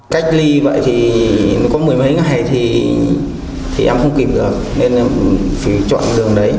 cách ly vậy thì có mười mấy ngày thì em không kịp được nên là phải chọn đường đấy